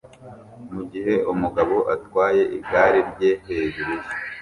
mugihe umugabo atwaye igare rye hejuru ye